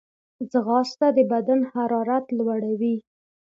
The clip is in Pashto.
ځغاسته د بدن حرارت لوړوي